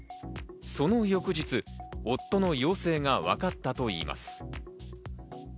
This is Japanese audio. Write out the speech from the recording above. その翌日、夫の陽性がわかったといいます。